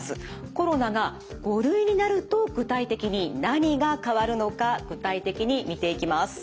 コロナが５類になると具体的に何が変わるのか具体的に見ていきます。